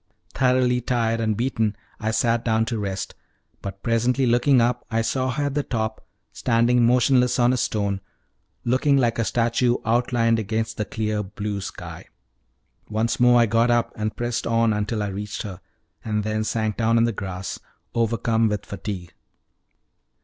Thoroughly tired and beaten, I sat down to rest; but presently looking up I saw her at the top, standing motionless on a stone, looking like a statue outlined against the clear blue sky. Once more I got up and pressed on until I reached her, and then sank down on the grass, overcome with fatigue.